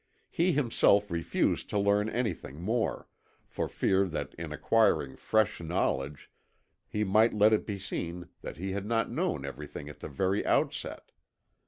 He himself refused to learn anything more, for fear that in acquiring fresh knowledge he might let it be seen that he had not known everything at the very outset.